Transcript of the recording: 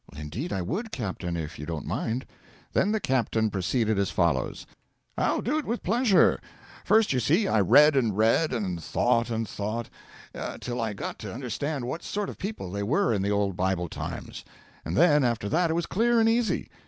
'Indeed, I would, captain, if you don't mind.' Then the captain proceeded as follows: 'I'll do it with pleasure. First, you see, I read and read, and thought and thought, till I got to understand what sort of people they were in the old Bible times, and then after that it was clear and easy.